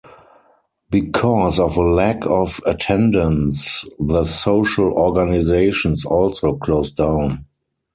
Because of a lack of attendance, the social organizations also closed down.